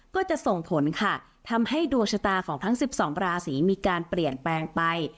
ก็จะส่งผลค่ะทำให้ดวงชะตาของทั้ง๑๒ราศีมีการเปลี่ยนแปลงไป